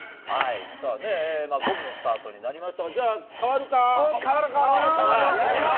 五分のスタートになりましたがじゃあ代わるか？